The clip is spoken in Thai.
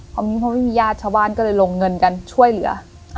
พอมีพอไม่มีญาติชาวบ้านก็เลยลงเงินกันช่วยเหลือ